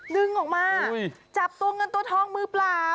ดึงออกมาจับตัวเงินเต๊ตเท้าธองผู้เปล่า